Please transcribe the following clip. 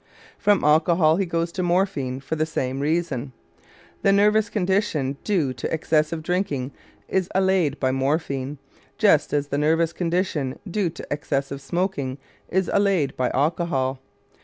From alcohol he goes to morphine for the same reason. The nervous condition due to excessive drinking is allayed by morphine, just as the nervous condition due to excessive smoking is allayed by alcohol.